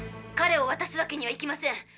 彼をわたすわけにはいきません。